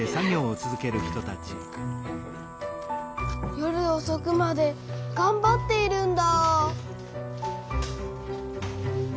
夜おそくまでがんばっているんだ。